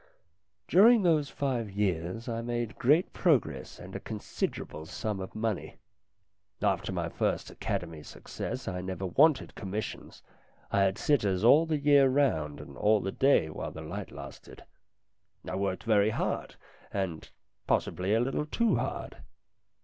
During those five years I made great progress and a considerable sum of money. After my first Academy success I never wanted commissions. I had sitters all the year round all the day while the light lasted. I worked very hard, and, possibly, a little too hard.